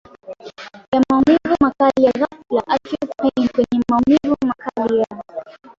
ya maumivu makali ya ghafla acute pain kwenye maumivu makali ya